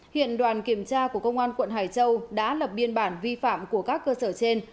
hiện đoàn kiểm tra của công an quận hải châu đã lập biên bản vi phạm của các cơ sở trên